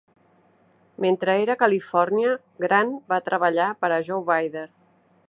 Mentre era a Califòrnia, Grant va treballar per a Joe Weider.